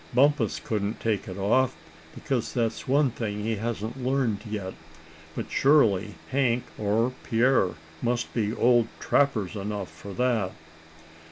"Bumpus couldn't take it off, because that's one thing he hasn't learned yet. But surely Hank or Pierre must be old trappers enough for that."